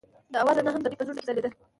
د اواز رڼا هم د دوی په زړونو کې ځلېده.